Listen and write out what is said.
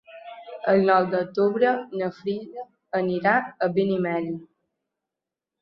El nou d'octubre na Frida anirà a Benimeli.